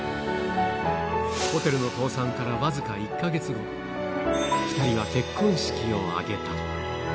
ホテルの倒産から僅か１か月後、２人は結婚式を挙げた。